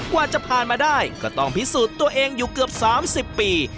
กว่าจะผ่านมาได้ก็ต้องพิสูจน์ตัวเองอยู่เกือบ๓๐ปี